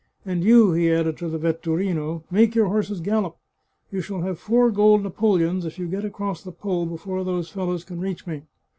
And you," he added to the vetturino, " make your horses gallop ! You shall have four gold na poleons if you get across the Po before those fellows can reach me."